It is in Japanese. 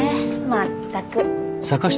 まったく。